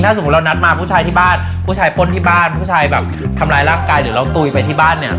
สมมุติเรานัดมาผู้ชายที่บ้านผู้ชายป้นที่บ้านผู้ชายแบบทำร้ายร่างกายหรือเราตุ๋ยไปที่บ้านเนี่ย